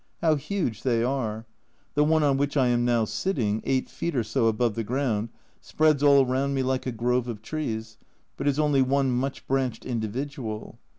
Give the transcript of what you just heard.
How huge they are ! The one on whtah I am now sitting, eight feet or so above the ground, spreads all round me like a grove of trees, but is only one much branched individual.